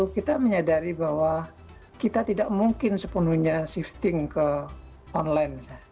kita menyadari bahwa kita tidak mungkin sepenuhnya shifting ke online